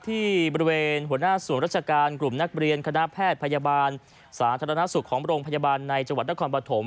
ที่บริเวณหัวหน้าส่วนราชการกลุ่มนักเรียนคณะแพทย์พยาบาลสาธารณสุขของโรงพยาบาลในจังหวัดนครปฐม